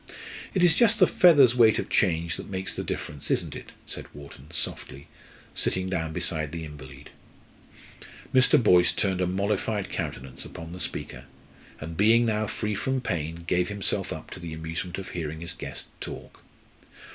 "It is just the feather's weight of change that makes the difference, isn't it?" said Wharton, softly, sitting down beside the invalid. Mr. Boyce turned a mollified countenance upon the speaker, and being now free from pain, gave himself up to the amusement of hearing his guest talk.